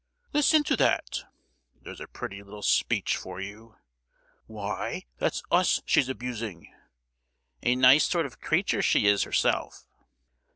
"Listen to that!" "There's a pretty little speech for you!" "Why, that's us she's abusing"! "A nice sort of creature she is herself!"